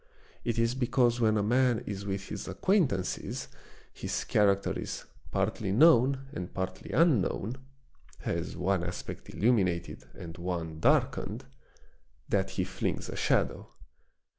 It is because when a man is with his acquaintances his character is partly known and partly unknown, has one aspect illuminated and one darkened, that he flings a shadow.